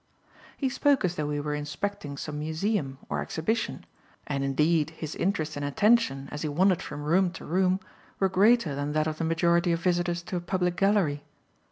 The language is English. He spoke as though we were inspecting some museum or exhibition, and, indeed, his interest and attention, as he wandered from room to room, were greater than that of the majority of visitors to a public gallery.